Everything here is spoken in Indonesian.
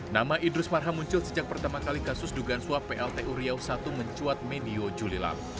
nama idrus marham muncul sejak pertama kali kasus dugaan suap plt uriau i mencuat medio juli lalu